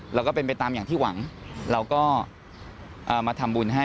เราก็เป็นไปตามอย่างที่หวังเราก็มาทำบุญให้